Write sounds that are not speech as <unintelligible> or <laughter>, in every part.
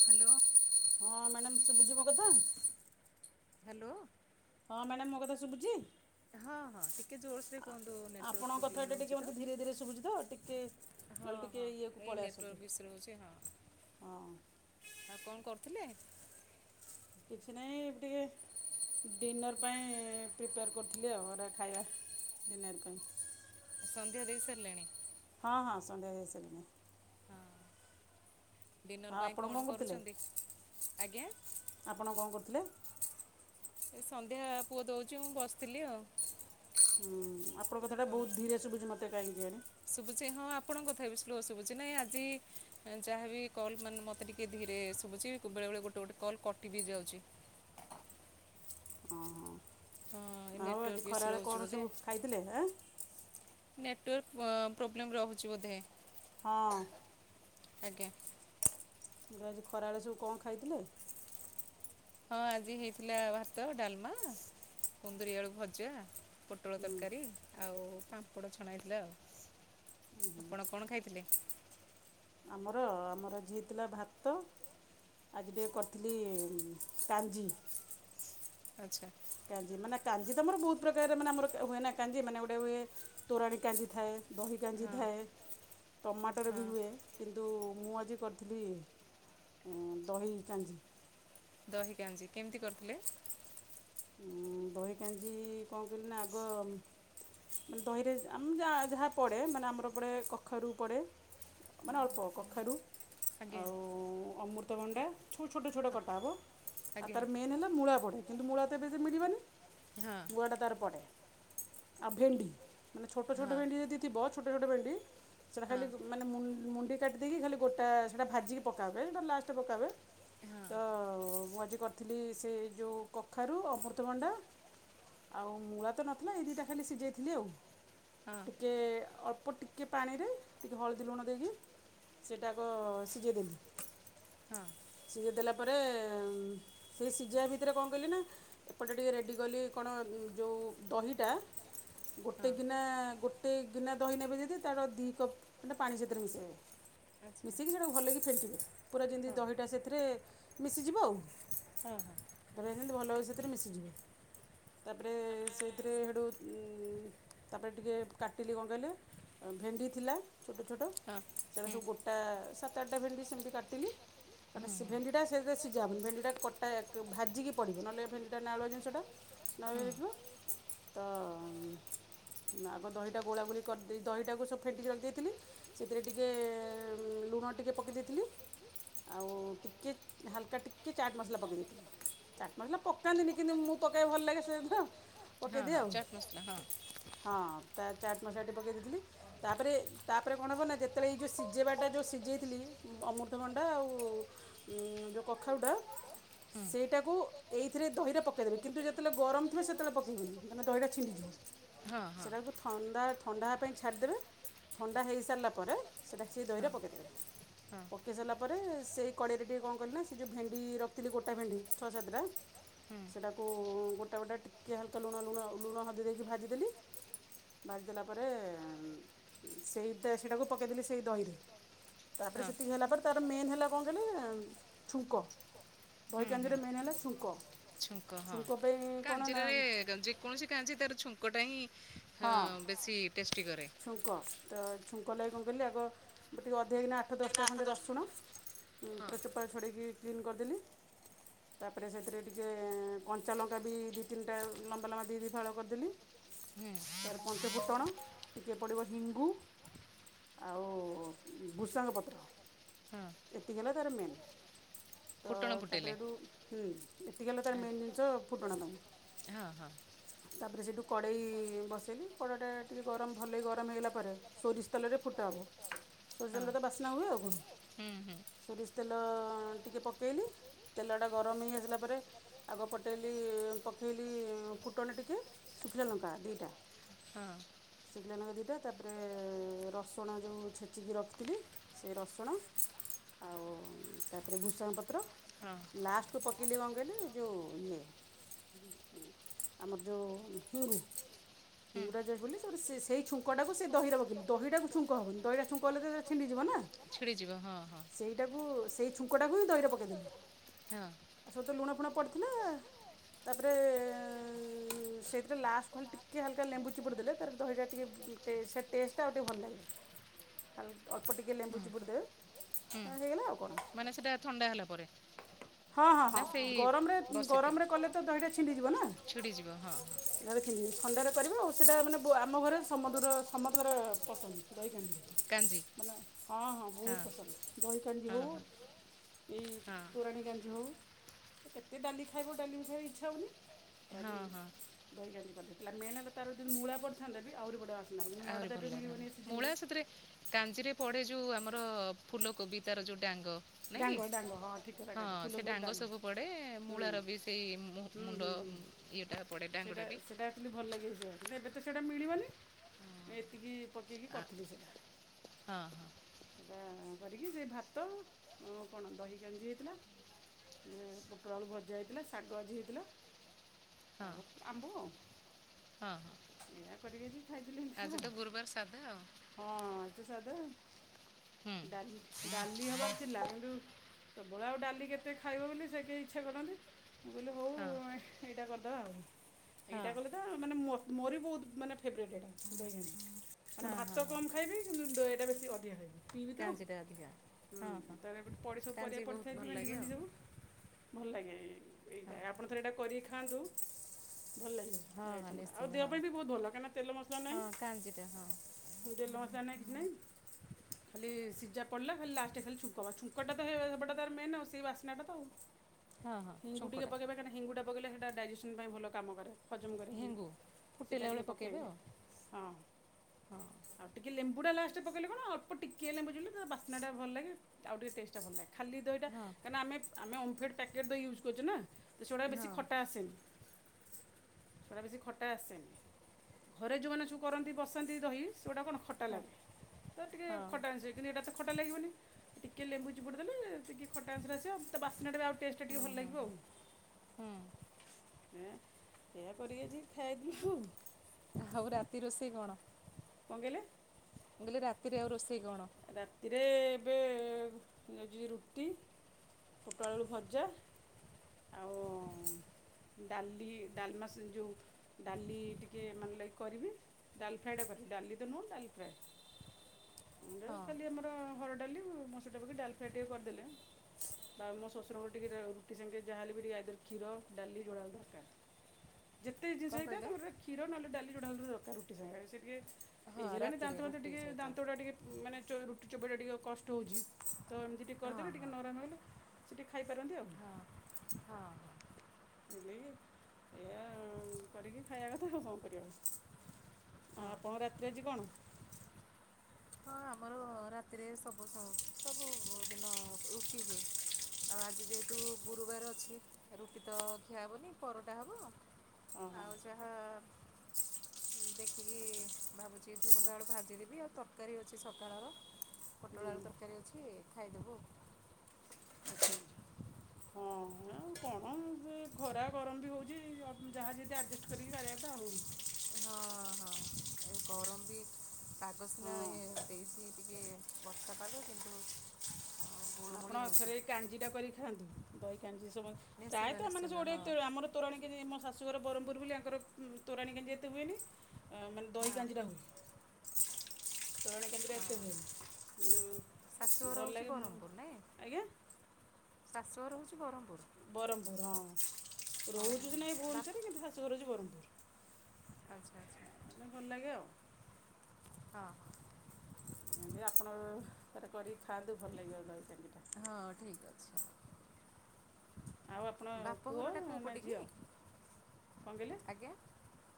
Hello. ହଁ madam ଶୁଭୁଛି ମୋ କଥା? ହ୍ୟାଲୋ। ହଁ ମ୍ୟାଡ଼ମ ମୋ କଥା ଶୁଭୁଛି। ହଁ ହଁ ଟିକେ ଜୋର୍ସୋରେ କୁହନ୍ତୁ ନେଟୱାର୍କ ପ୍ରୋବ୍ଲେମ୍ ରହୁଛି ତ। ହଁ ହଁ ଏଇ ନେଟୱାର୍କ ଇଷୁ ରହୁଛି ହଁ। ଆଉ କଣ କରୁଥିଲେ? କିଛି ନାହିଁ ଏଇଟିକେ ଡିନର୍ ପାଇଁ ପ୍ରିପେୟାର କରୁଥିଲି ଆଉ ପରା ଖାଇବା ଡିନର୍ ପାଇଁ। ସନ୍ଧ୍ୟା ଦେଇ ସାରିଲେଣି? ହଁ ହଁ ସନ୍ଧ୍ୟା ଦେଇ ସାରିଲେଣି। ଡିନର୍ ପାଇଁ କଣ କରୁଛନ୍ତି ଆଜ୍ଞା। ଆପଣ କଣ କରୁଥିଲେ? ସନ୍ଧ୍ୟା ପୁଅ ଦଉଚି ମୁଁ ବସିଥିଲି ଆଉ। ହଁ ଆପଣଙ୍କ କଥାଟା ବହୁତ ଧୀରେ ଶୁବୁଛି କାହିଁକି କେଜାଣି। ଶୁଭୁଛି ହଁ ଆପଣ ଙ୍କ କଥାବି ସ୍ଲୋ ଶୁଭୁଛି ନାଇଁ ଆଜି। ଯାହାବି କଲ୍ ମାନେ ମୋତେ ଟିକେ ଧୀରେ ଶୁଭୁଛି ବେଳେବେଳେ ଗୋଟେ ଗୋଟେ କଲ୍ କଟି ବି ଯାଉଛି। ହଁ ନେଟୱାର୍କ ଇଷୁ ରହୁଛି ବୋଧେ। ନେଟୱାର୍କ ପ ପ୍ରୋବ୍ଲେମ୍ ରହୁଚି ବୋଧେ। ହଁ ଆଜି ଖରାବେଳେ ସବୁ କଣ ଖାଇଥିଲେ? ହଁ ଆଜି ହେଇଥିଲା ଭାତ ଡ଼ାଲମା କୁନ୍ଦୁରି ଆଳୁ ଭଜା ପୁଟଳ ତରକାରୀ ଆଉ ପାମ୍ପଡ଼ ଛଣାଇଥିଲା ଆଉ ଆପଣ କଣ ଖାଇଥିଲେ? ଆମର ଆମର ଆଜିି ହେଇଥିଲା ଭାତ ଆଜି ଟିକେ କରିଥିଲି କାଞ୍ଜି ଆଚ୍ଛା। କାଞ୍ଜି ମାନେ କାଞ୍ଜିତ ଆମର ବହୁତ୍ ପ୍ରକାର ମାନେ ଆମର ହୁଏନା କାଞ୍ଜି ମାନେ ଗୋଟେ ହୁଏ ତୁରାଣୀ କାଞ୍ଜିଥାଏ ଦହି କାଞ୍ଜି ଥାଏ ଟମାଟର ବି ହୁଏ କିନ୍ତୁ ମୁଁ ଆଜି କରିଥିଲି ଦହି ଉ କାଞ୍ଜି। ଦହିକାଞ୍ଜି କେମିତି କରିୁଥିଲେ? ଦହି କାଞ୍ଜି କଣ କହିଲେନା ଆଗ ମାନେ ଦହିରେ ଆମ ଯା ଯାହା ପଡ଼େ ମାନେ ଆମର ପଡ଼େ କଖାରୁ ପଡ଼େ ମାନେ ଅଳ୍ପ କଖାରୁ ଆଉ ଅମୃତଗଣ୍ଡା ଛୋ ଛୋଟ ଛୋଟ କଟା ହବ ଆଉ ତାର ମେନ୍ ହେଲା ମୂଳା ପଢ଼େ କିନ୍ତୁ ମୂଳାତ ଏବେତ ମିଳିବନି ହଁ। ମୂଳାଟା ତାର ପଡ଼େ ଆଉ ଭେଣ୍ଡି ମାନେ ଛୋଟ ଛୋଟ ଭେଣ୍ଡି ଯେଦି ଥିବ ଛୋଟ ଛୋଟ ଭେଣ୍ଡି ସେଟା ଖାଲି ମାନେ ମୁ ମୁଣ୍ଡି କାଟିଦେଇକି ଖାଲି ଗୋଟା ସେଇଟା ଭାଜିକି ପକାବେ ଏଇଟା ଲାଷ୍ଟ ପକାବେ ତ ମୁଁ ଆଜି କରିଥିଲି ସେଯୋଉ କ କଖାରୁ ଅମୃତଭଣ୍ଡା ଆଉ ମୂଳାତ ନଥିଲା ଏଇ ଦିଇଟା ଖାଲି ସିଜେଇଥିଲି ଆଉ। ଟିକେ ଅଳ୍ପ ଟି ଟିକଏ ପାଣିରେ ଟିକିଏ ହଳଦୀ ଲୁଣ ଦେଇକି ସେଇଟାଆଗ ସିଜେଇଦେଲି ହଁ। ସିଜେଇଦେଲା ପରେ ସେଇ ସିଝାଇବା ଭିତରେ କଣ କଲିନା ଏପଟେ ଟିକେ ରେଡ଼ି କଲି କଣ ଯେଉଁ ଦହିଟା ଗୋଟେ ଗିନା ଗୋ ଗୋଟେ ଗିନା ଦହି ନେବେ ଯଦି ତାର ଦିଇ କପ୍ ମାନେ ପାଣି ସେଥିରେ ମିଶେଇବେ ମିଶିକି ସେଇଟା ଭଲକି ଫେଣ୍ଟିବେ ପୁରା ଯେମିତି ଦହିଟା ସେଥିରେ ମିଶିଯିବ ଆଉ ହଁ ହଁ। ତାର ଏମିତି ଏମିତି ଭଲସେ ସେଥିରେ ମିଶିଯିବ ତାପରେ ସେଇଥିରେ ହେଡ଼ୁ ଉ ତାପରେ ଟିକେ କାଟିଲି କଣ କହିଲେ ଭେଣ୍ଡି ଥିଲା ଛୋଟ ଛୋଟ ସେଇଟା ସବୁ ଗୋ ଟା ସାତ ଆଠଟା ଭେଣ୍ଡି ସେମିତି କାଟିଲି ତାମାନେ ସେ ଭେଣ୍ଡିଟା ସେଥିରେ ସିଝାହବନି ଭେଣ୍ଡିଟା କଟା ଭାଜିକି ପଡ଼ିବ ନହେଲେ ଭେଣ୍ଡିଟା ନାଳୁଆ ଜିନିଷଟା ନାଳୁଆ ହେଇଯିବ ହୁଁ। ଆଗ ଦହିଟା ଗୋଳା ଗୁଳି କରିଦେଇ ଦହିଟାକୁ ସବୁ ଫେଣ୍ଟିକି ରଖିଦେଇଥିଲି ସେଥିରେ ଟିକେ ଲୁଣ ଟିକେ ପକେଇ ଦେଇଥିଲି ଆଉ ଟିକିଏ ହାଲ୍କା ଟିକିଏ ଚାଟ୍ ମସଲା ପକେଇ ଦେଇିଥିଲି ଚାଟ୍ ମସଲା ପ ପକାନ୍ତିନି କିନ୍ତୁ ମୁଁ ପକାଇବା ଭଲ ଲାଗେ ସେତ ପକେଇଦିଏ ଆଉ। ହଁ ତା ଚାଟ୍ ମସଲା ଟିକେ ପକେଇ ଦେଇଥିଲି ତାପରେ ତାପରେ କଣ ହବନା ଯେତେବେଳେ ଏଇ ଯେଉଁ ସିଝେଇବାଟା ଯେଉଁ ସିଝେଇଥିଲି ଅମୃତଭଣ୍ଡା ଆଉ ଉଁ ଯେଉଁ କଖାରୁଟା ସେଇଟାକୁ ଏଥିରେ ଦହିରା ପକେଇଦେବେ କିନ୍ତୁ ଯେତେବେଳେ ଗରମଥିବ ସେତେବେଳେ ପକେଇବେନି ମାନେ ଦହିଟା ଛିଣ୍ଡିଯିବ। ସେଇଟାକୁ ଥଣ୍ଡା ଥଣ୍ଡା ହେବା ପାଇଁ ଛାଡ଼ିଦେବେ ଥଣ୍ଡା ହେଇସାରିଲା ପରେ ସେଟା ସେ ଦହିରେ ପକାଇଦେବେ। ପକେଇ ସାରିଲା ପରେ ସେଇ କଡ଼େଇରେ ଟିକେ କଁ କିଲ ନା ସେ ଯୋଉ ଭେଣ୍ଡି ରଖିଥିଲି ଗୋଟା ଭେଣ୍ଡି ଛଅ ସାତଟା ସେଟାକୁ ଗୋଟା ଗୋଟେ ଟିକିଏ ହାଲକା ଲୁଣ ଲୁଣ ଲୁଣ ହଳଦୀ ଦେଇକି ଭାଜିଦେଲି। ଭାଜିଦେଲା ପରେ ସେଇଟା ସେଇଟାକୁ ପକାଇଦେଲି ସେଇ ଦହିରେ। ତାପରେ ସେତିକି ହେଲା ପରେ ତାର ମେନ୍ ହେଲା କଁ କହିଲେ ଏଁ ଛୁଙ୍କ। ଦହି କାଞ୍ଜିିରେ ମେନ୍ ହେଲା ଛୁଙ୍କ। କାଞ୍ଜିରାରେ ଗଞ୍ଜି କୌଣସି କାଞ୍ଜି ତାର ଛୁଙ୍କଟା ହିଁ ହଁ ବେଶୀ ଟେଷ୍ଟି କରେ। ଛୁଙ୍କ। ତ ଛୁଙ୍କ ଲାଗି କଁ କହିଲେ ଆଗ- ମୁଁ ଟିକେ ଅଧିକା କିନା ଆଠ ଦଶଟା ଖଣ୍ଡେ ରସୁଣ ଉଁ ପୁରା ଚୋପା ଛଡ଼େଇକି କ୍ଲିନ୍ କରିଦେଲି। ତାପରେ ସେଥିରେ ଟିକେ କଞ୍ଚା ଲଙ୍କା ବି ଦି ତିନିଟା ଲମ୍ବା ଲମ୍ବା ଦି ଦି ଫାଳ କରିଦେଲି। ହୁଁ। ତାପର ପଞ୍ଚ ଫୁଟଣ ଟିକେ ପଡ଼ିବ ହିଙ୍ଗୁ। ଆଉ ଭୃଷଙ୍ଗ ପତ୍ର ଏତିକି ହେଲା ତାର ମେନ୍। ତ ତାପରେ ହେଠୁୁ ହୁଁ। ଏତିକି ହେଲା ତାର ମେନ୍ ଜିନିଷ ଫୁଟଣ ପାଇଁ। ତାପରେ ସେଠୁ କଡ଼େଇ ବସ୍ ହେଲି କଡ଼ଟା ଟିକେ ଗରମ ଭଲକି ଗରମ ହେଇଗଲା ପରେ ସୋରିଷ ତେଲରେ ଫୁଟା ହବ। ସୋରିଷ ତେଲରେ ତ ବାସ୍ନା ହୁଏ ଆଉ କଣ? ସୋରିଷ ତେଲ ଟିକେ ପକେଇଲି। ତେଲଟା ଗରମ ହେଇ ଆସିଲା ପରେ ଆଗ ପଟେଇଲି ପକେଇଲି ଫୁଟଣ ଟିକେ ଶୁଖିଲା ଲଙ୍କା ଦିଟା। ହଁ। ଶୁଖିଲା ଲଙ୍କା ଦିଟା ତାପରେ ରସୁଣ ଯୋଉ ଛେଚିକି ରଖିଥିଲି। ସେଇ ରସୁଣ ଆଉ ତାପରେ ଭୁଷଙ୍ଗ ପତ୍ର। ଲାଷ୍ଟକୁ ପକେଇଲି କଁ କହିଲେ ଯୋଉ ଇଏ। ଆମର ଯୋଉ ହିଙ୍ଗୁ। ଲୁଡା ଯାଏ ବୋଲି ତାପରେ ସେ ସେଇ ଛୁଙ୍କଟାକୁ ସେ ଦହିରେ ପକେଇଲି। ଦହିଟାକୁ ଛୁଙ୍କ ହବନି। ଦହିଟା ଛୁଙ୍କ ହେଲେ ତେ ତେ ଛିଣ୍ଡିଯିବ ନା? ଛିଡ଼ିଯିବ ହଁ ହଁ। ସେଇଟାକୁ ସେଇ ଛୁଙ୍କଟାକୁ ହିଁ ଦହିରେ ପକାଇଦେଲି। ହଁ। ଆଉ ସବୁ ତ ଲୁଣ ଫୁଣ ପଡ଼ିଥିଲା ତାପରେ ଏଁ ସେଇଥିରେ ଲାଷ୍ଟକୁ ଖାଲି ଟି କେ ହାଲକା ଲେମ୍ବୁ ଚିପୁଡ଼ି ଦେଲେ, ତାର ଦହିଟା ଟିକେ ଟେ ସେ ଟେଷ୍ଟଟା ଆଉ ଟିକେ ଭଲ ଲାଗେ। ହାଲ ଅଳ୍ପ ଟିକେ ଲେମ୍ବୁ ଚୁପୁଡ଼ିଦେବେ। ହୁଁ। ମାନେ ସେଟା ଥଣ୍ଡା ହେଲା ପରେ? ହଁ ହଁ ହଁ। ଗରମରେ ଗରମରେ କଲେ ତ ଦହିଟା ଛିଣ୍ଡିଯିବ ନା? ନହେଲେ କେମି ଥଣ୍ଡାରେ କରିବେ ଆଉ ସେଟା ମାନେ ବୁ ଆମ ଘରେ ସମଦୁର ସମସ୍ତଙ୍କର ପସନ୍ଦ ଦହି କାଞ୍ଜିଟା। ମାନେ ହଁ ହଁ ବୋହୁତ ପସନ୍ଦ ଦହି କାଞ୍ଜି ହଉ ଏଇ ତୁରାଣୀ କାଞ୍ଜି ହଉ। କେତେ ଡାଲି ଖାଇବ? ଡାଲି ବି ଖାଇବା ଇଚ୍ଛା ହଉନି। ତ ଆଜି ଦହି କାଞ୍ଜି କରିଦେଲି। ହେଲା ମେନ୍‌ ହେଲା ତାର ଯଦି ମୂଳା ପଡ଼ିଥାନ୍ତା ବି ଆହୁରି ବଢି଼ଆ ଆସ୍ ଆହୁରି ଭଲ ଲାଗିଥାନ୍ତା। ମୂଳା ସେଥିରେ କାଞ୍ଜିରେ ପଡ଼େ ଯୋଉ ଆମର ଫୁଲକୋବି ତାର ଯୋଉ ଡାଙ୍ଗ। ନାଇଁ କି? ହଁ ସେ ଡାଙ୍ଗ ସବୁ ପଡ଼େ ମୂଳାର ବି ସେଇ ମୁହୁଁ ମୁଣ୍ଡ ଇଏଟା ପଡ଼େ ଡାଙ୍ଗଟା ବି। ସେଟା ଆକ୍ଚୁଲି ଭଲ ଲାଗେ ସେଇଆ କିନ୍ତୁ ଏବେ ତ ସେଇଟା ମିଳିବନି। ମୁଁ ଏତିକି ପକେଇକି କରିଥିଲି ସେଟା। ହଁ ହଁ। ଏଇଟା କରିକି ସେ ଭାତ ଆଉ କଣ ଦହି କଞ୍ଜି ହେଇଥିଲା। ଯେ ପୋଟଳ ଆଳୁ ଭଜା ହେଇଥିଲା। ଶାଗ ଆଜି ହେଇଥିଲା। ହଁ। ଆମ୍ବ ଆଉ। ଏଇଟା କରିକି ଆଜି ଖାଇଥିଲି ଆଜି ତ ଗୁରୁବାରେ ସାଧା ଆଉ। ହଁ ଆଜି ତ ସାଧା ଆଉ। ଆଜି ଡାଲି ହବାର ଥିଲା କିନ୍ତୁ ସବୁବେଳେ ଆଉ ଡାଲି କେତେ ଖାଇବ ବୋଲି ସେ କେହି ଇଚ୍ଛା କରନ୍ତି। ମୁଁ କହିଲି ହଉ ଏଇଟା କରିଦବା ଆଉ। ଏଇଟା କଲେ ତ ମାନେ ମୋର ବି ବହୁତ ମାନେ ଫେବରେଟ୍ ଏଇଟା <unintelligible> ମାନେ ଭାତ କମ୍ ଖାଇବି କିନ୍ତୁ ଏଇଟା ବେଶୀ ଅଧିକା ଖାଇବି। ପିଇବି ତ ଆଉ ତାପରେ ଏ ପଡ଼ି ସବୁ ପରିବା ପଡ଼ିଥାଏ ବି ମେଣ୍ଡି ଫେଣ୍ଡି ସବୁ। ଭଲ ଲାଗେ ଏଇଟା ଆପଣ ଥରେ ଏଇଟା କରିକି ଖାଆନ୍ତୁ। <inaudible> ଭଲ ଲାଗିବ ଏ ଆଇଟମ ଟା ଆଉ ଦେହ ପାଇଁ ବି ବହୁତ ଭଲ କାହିଁକିନା ତେଲ ମସଲା ନାହିଁ। ମୁଁ ଗୋଟେ ଲଞ୍ଚ <unintelligible> କି ନାଇଁ ଖାଲି ସିଝା ପଡିଲା ଖାଲି ଲାଷ୍ଟ ଖା ଛୁଙ୍କ ବା ଛୁଙ୍କଟା ତଟା ତ ମେ ଆଉ ସେଇ ବାସ୍ନାଟା ତ ଆଉ। ହିଙ୍ଗୁ ଟିକେ ପକେଇ କହିକି ହଙ୍ଗୁା ପକେଇଲେ ସେଇଟା ଡାଇଜେସନ ପାଇଁ ଭଲ କାମ କରେ। ହଜମ କରିବା ପାଈଁ ସେଇଟା ଟିକେ ପକାଇବେ। ହଁ ଆଉ ଟିକେ ଲେମ୍ବୁଟା ଲାଷ୍ଟରେ ପକେଇଲେ କଣ ଅଳ୍ପ ଟିକେ ଲେମ୍ବୁ ଚିପୁଡ଼ିଲେ ତା ବାସ୍ନାଟା ଭଲ ଲାଗେ ଆଉ ଟିକେ ଟେଷ୍ଟା ଭଲ ଲାଗେ। ଖାଲି ଦହିଟା କାରଣ ଆମେ ଆମେ ଓଫେଡ ପ୍ୟାକେଟ୍ ଦହି ୟୁଜ୍ କରୁଛେ ନା। ତ ସେଗୁଡ଼ାକ ବେଶୀ ଖଟା ଆସେନି। ସେଟା ବେଶୀ ଖଟା ଆସେନି ଘରେ ଯୋଉମାନେ ସବୁ କରନ୍ତି ବସି ବସାନ୍ତି ଦହି ସେଗୁଡ଼ା କଣ ଖଟା ଲାଗେ। ତ ଟିକେ <unintelligible> ଏତେ ଖଟା ଲାଗିବନି ଟିକେ ଲେମ୍ବୁ ଚିପୁଡ଼ି ଦେଲେ ଟିକେ ଖଟା ଅଂଶଟା ଆସିବ ତା ବାସ୍ନାଟା ବି ଆଉ ଟେଷ୍ଟା ଟିକେ ଭଲ ଲାଗିବ ଆଉ। ଏଁ ଏଇଆ କରିକି ଆଜି ଖାଇଦେଲୁ ଆଉ। ଆଉ ରାତି ରୋଷେଇ କଣ ମୁଁ କହିଲି ରାତିରେ ଆଉ ରୋଷେଇ କଣ? ରାତିରେ ଏବେ ଯାଉଛି ରୁଟି ପୋଟଳ ଆଳୁ ଭଜା। ଡାଲି ଡାଲମା ଯୋଉଁ ଡାଲି ଟିକେ ମାନେ ଲାଇକ୍ କରିବି ଡାଲ ଫ୍ରାଏଟା କରିବି ଡାଲି ତୁହଁ ଡାଲ୍ ଫ୍ରାଏ। ମୁଁ କହିଲି ଆମର ହରଡ ମସୁର ଡାଲି ପକେଇକି ଡାଲ୍ ଫ୍ରାଏ ଟିକେ କରିଦେଲେ ବା ମୋ ଶଶୁର ଙ୍କୁ ଟିକେ ରୁଟି ସାଙ୍ଗେ ଯାହା ହେଲେ ବି ଟିକେ ଆଇଦର୍ କ୍ଷୀର ଡାଲି ଯୋଉଟା ହେଲେ ଦରକାର। ଯେତେ ଜିନିଷ ହେଇଥାଏ ତା କ୍ଷୀର ନହେଲେ ଡାଲି ଯୋଉଟା ହେଲେ ଦରକାର ରୁଟି ସାଙ୍ଗରେ। ଏଜ୍ ହେଲାଣି ଦାନ୍ତ ଫାନ୍ତ ଟିକେ ଦାନ୍ତ ଟା ଟିକେ ମାନେ ଚ ରୁଟି ଚୋବେଟା ଟିକେ କଷ୍ଟ ହଉଛି ତ ଏମିତି ଟିକେ କରିଦେଲେ ଟିକେ ନରମ ହେଇ ଗଲେ। ସେ ଟିକେ ଖାଇପାରନ୍ତି ଆଉ। ହଁ। ହେଇ ଲାଗି ଏଇଆ କରିକି ଖାଇବା କଥା ଆଉ କଣ କରିବା। ଆ ଆପଣଙ୍କ ରାତିରେ ଆଜି କଣ? ହଁ ଆମର ରାତିରେ ସବୁ ସବୁଦିନ ରୁଟି ହୁଏ। ଆଉ ଆଜି ଯେହେତୁ ଗୁରୁବାର ଅଛି, ରୁଟି ତ ଖିଆ ହେବନି ପରଟା ହବ। ଆଉଚିପା। ହଁ ଅ, ଦେଖିକି ଭାବୁଚି ଝୁଡୁଙ୍ଗ ଆଳୁ ଭାଜିଦେବି ଆଉ ତର ତରକାରୀ ଅଛି ସକାଳର, ପୋଟଳଆଳୁ ତରକାରୀ ଅଛି ଖାଇଦବୁ। ଆଛା, ଆଛା, ହଁ ଆଉ କଣ ଏ ଖରା ଗରମ ବି ହଉଚି। ତ, ଯାହା ଯେମିତି ଆଡ଼ଜେଷ୍ଟ କରିକି ସାରିବା କଥା ଆଉ। ହଁ ହଁ, ଏ ଗରମ ବି, ପାଗ ସିନା ଦେଇଚି ଟି ଟିକିଏ ବର୍ଷା ପାଗ, କିନ୍ତୁ ଆପଣଥରେ ଏଇ କାଞ୍ଜିଟା କରିକ ଖାଆନ୍ତୁ, ଦହି କାଞ୍ଜି ସବୁ, ପ୍ରାୟତଃ ଆମେମାନେ ସବୁ ଓଡ଼ିଆ ତ ଆମର ତୋରାଣୀ କେଞ୍ଜି ମୋ ଶାଶୁଘର ବ୍ରରହମ୍ପୁର ବୋଲି, ଆଙ୍କର ତୋରାଣୀ କେଞ୍ଜି ଏତେ ହୁଏନି। ମାନେ, ଦହି କାଞ୍ଜି ଟା ହୁଏ। ତୋରାଣି କାଞ୍ଜି ଟା ଏତେ ହୁଏନି, ଯୋଉ ଭଲଲାଗେ ମୁଁ ଶାଶୁଘର ହଉଚି ବ୍ରହ୍ମପୁର। ବ୍ରହ୍ମପୁର ହଁ, ରହୁଚୁ କି ନାଇଁ ଭୁବନେଶ୍ୱରରେ କିନ୍ତୁ ଶାଶୁଘର ହଉଚି ବ୍ରହ୍ମପୁର। ଆଛା, ଆଛା। <unintelligible> ଭଲ ଲାଗେ ଆଉ। ହଁ। ଏମିତି ଆପଣ ଥରେ କରିକି ଖାଆନ୍ତୁ, ଭଲ ଲାଗିବ ଦହି କାଞ୍ଜିଟା। ହଁ, ଠିକ୍ ଅଛି। ବାପଘରଟା କୋଉ ପଟେ କି? ଆଜ୍ଞା।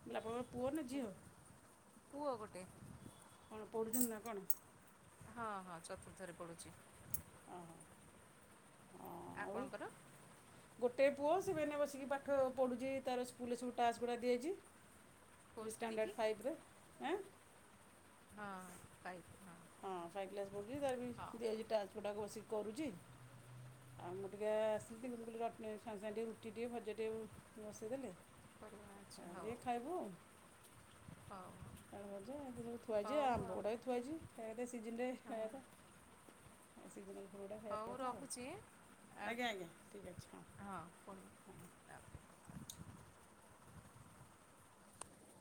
ମୁଁ କହିଲି ଆପଣଙ୍କର ପୁଅ ନା ଝିଅ? ପୁଅ ଗୋଟେ। କଣ ପଢୁଚନ୍ତି ନା କଣ? ହଁ ହଁ, ଚତୁର୍ଥରେ ପଢୁଚି। ଆପଣଙ୍କର? ଗୋଟେ ପୁଅ, ସେ ବି ଏଇନା ବସିକି ପାଠ ପଢ଼ୁଚି, ତାର ସ୍କୁଲରେ ସବୁ ଟାସ୍କ ଗୁଡ଼ା ଦିଆହେଇଚି। ଷ୍ଟାଣ୍ଡାର୍ଡ଼ ଫାଇବରେ, ଆଁ। ହଁ ପାଇବ୍। ହଁ, ଫାଇଭ୍ କ୍ଲାସ୍ ପଢୁଚି, ତାର ବି ଦିଆହେଇଚି ଟାସ୍କ ଗୁଡ଼ା ବସିକି କରୁଚି, ଆଉ ମୁଁ ଟିକେ ଆସିଲି, ମୁଁ କହିଲ ସାଙ୍ଗେ ସାଙ୍ଗେ ଟିକେ ରୁଟି ଟିକେ, ଭଜା ଟିକେ ବସେଇଦେଲେ ପରିବା ଅଛି, ହଉ, ହଉ। ଆଳୁ ଭଜା, ଏମିତି ସବୁ ଥୁଆହେଇଚି, ଆମ୍ବ ଗୁଡ଼ା ବି ଥୁଆହେଇଚି, ଖାଇବା ଟିକେ ସିଜିନ ରେ ଖାଇବା କଥା। ସିଜନାଲ୍ ଫ୍ରୁଡ଼ ଗୁଡା ଖାଇବା କଥା ଆଉ, ଆଜ୍ଞା ଆଜ୍ଞା ଠିକ୍ ଅଛି ହଁ। <unintelligible>